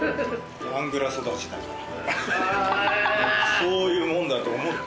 そういうもんだと思って。